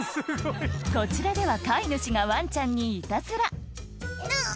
こちらでは飼い主がワンちゃんにイタズラ「うっ！